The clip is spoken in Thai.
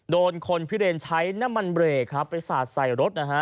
โดนคนพิเรนใช้น้ำมันเบรกครับไปสาดใส่รถนะฮะ